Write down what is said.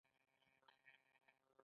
دا د هغه ښکاره او روښانه مصداق دی.